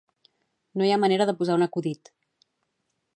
No hi ha manera de posar un acudit